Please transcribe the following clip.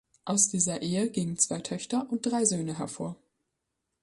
Aus dieser Ehe gingen zwei Töchter und drei Söhne hervor.